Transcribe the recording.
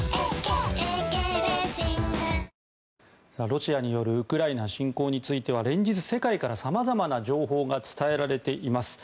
ロシアによるウクライナ侵攻については連日、世界から様々な情報が伝えられています。